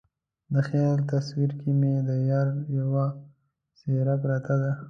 د خیال تصویر کې مې د یار یوه څیره پرته ده